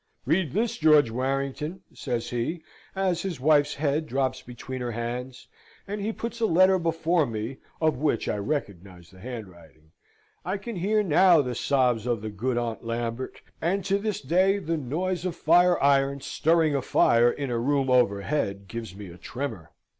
"Read this, George Warrington!" says he, as his wife's head drops between her hands; and he puts a letter before me, of which I recognised the handwriting. I can hear now the sobs of the good Aunt Lambert, and to this day the noise of fire irons stirring a fire in a room overhead gives me a tremor.